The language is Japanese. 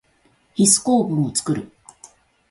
ヒス構文をつくる。